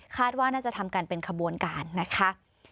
ว่าน่าจะทำกันเป็นขบวนการนะคะ